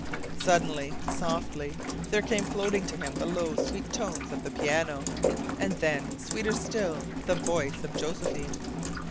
Suddenly, softly, there came floating to him the low, sweet tones of the piano, and then, sweeter still, the voice of Josephine.